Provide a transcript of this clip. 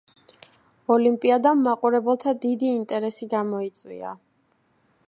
ოლიმპიადამ მაყურებელთა დიდი ინტერესი გამოიწვია.